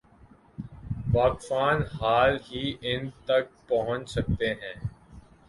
واقفان حال ہی ان تک پہنچ سکتے ہیں۔